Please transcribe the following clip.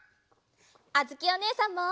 あづきおねえさんも！